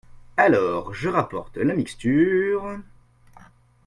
Alors, je rapporte la mixture…